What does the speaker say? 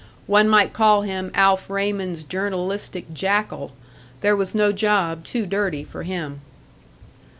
One might call him Alf Raymond's journalistic jackal; there was no job too dirty for him.